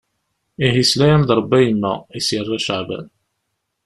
Ihi yesla-am-d Rebbi a yemma. I as-yerna Caɛban.